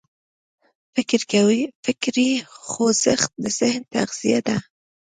فکري خوځښت د ذهن تغذیه ده.